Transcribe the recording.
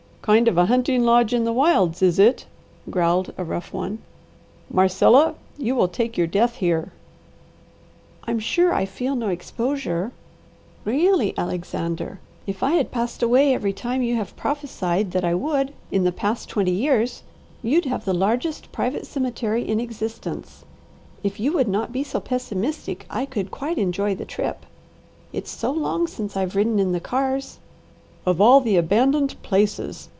"Kind of a hunting lodge in the wilds, is it?" growled a rough one. "Marcella, you will take your death here!" "I'm sure I feel no exposure. Really, Alexander, if I had passed away every time you have prophesied that I would in the past twenty years you'd have the largest private cemetery in existence. If you would not be so pessimistic I could quite enjoy the trip. It's so long since I've ridden in the cars." "Of all the abandoned places!